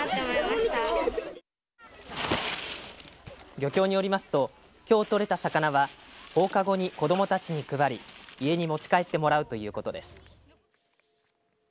漁協によりますときょう取れた魚は放課後に子どもたちに配り家に持ち帰ってもらうということです。